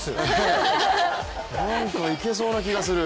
なんかいけそうな気がする。